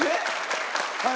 はい。